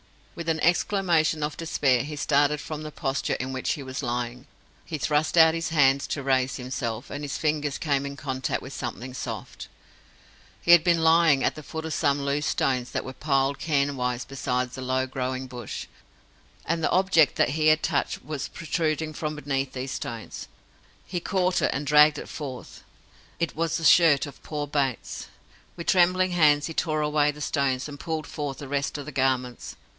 With an exclamation of despair, he started from the posture in which he was lying. He thrust out his hands to raise himself, and his fingers came in contact with something soft. He had been lying at the foot of some loose stones that were piled cairnwise beside a low growing bush; and the object that he had touched was protruding from beneath these stones. He caught it and dragged it forth. It was the shirt of poor Bates. With trembling hands he tore away the stones, and pulled forth the rest of the garments.